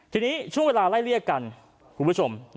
ทีนี้ช่วงเวลาไล่เลี่ยกันคุณผู้ชม